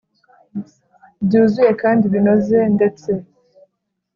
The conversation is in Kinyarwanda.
Byuzuye kandi binoze ndetse